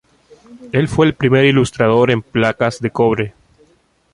El fue el primer ilustrador en placas de cobre.